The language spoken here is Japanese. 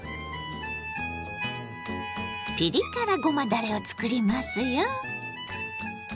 ピリ辛ごまだれを作りますよ。